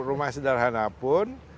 rumah sederhana pun